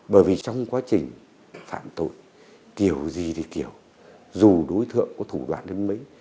bởi vì trong quá trình phạm tội kiểu gì thì kiểu dù đối tượng có thủ đoạn đến mấy